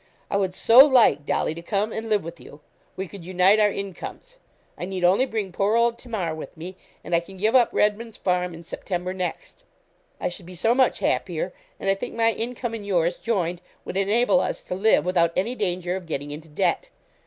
I would so like, Dolly, to come and live with you. We could unite our incomes. I need only bring poor old Tamar with me, and I can give up Redman's Farm in September next. I should be so much happier; and I think my income and yours joined would enable us to live without any danger of getting into debt.